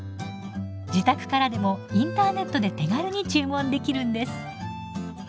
自宅からでもインターネットで手軽に注文できるんです。